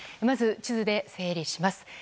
まず、地図で整理します。